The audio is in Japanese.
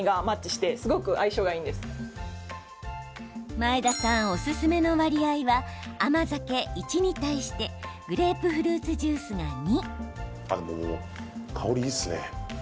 前田さんおすすめの割合は甘酒１に対してグレープフルーツジュースが２。